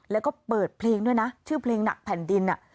แล้วก็เปิดเพลงด้วยนะชื่อเพลงหนักแผ่นดิน